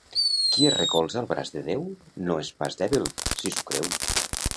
Qui es recolza al braç de Déu, no és pas dèbil, si s'ho creu.